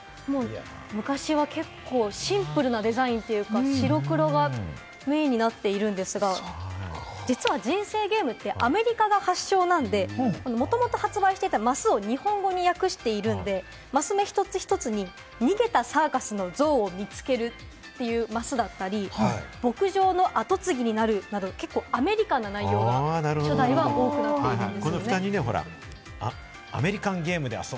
昔は結構シンプルなデザインというか、白黒がメインになっているんですが、実は人生ゲームってアメリカが発祥なので、もともと発売していたマスを日本語に訳しているので、マス目一つ一つに逃げたサーカスの象を見つけるっていうマスだったり、牧場の跡継ぎになるなど、結構アメリカンな内容に初代は多くなっているんです。